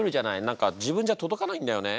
何か自分じゃとどかないんだよね。